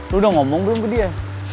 lu udah ngomong belum ke dia